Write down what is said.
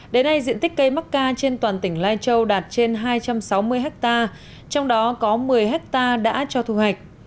đến nay diện tích cây macca trên toàn tỉnh lai châu đạt trên hai trăm sáu mươi hectare trong đó có một mươi hectare đã cho thu hạch